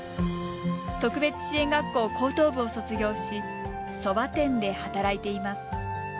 特別支援学校高等部を卒業しそば店で働いています。